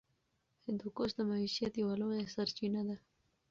هندوکش د معیشت یوه لویه سرچینه ده.